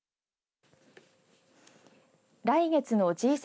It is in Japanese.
来月のＧ７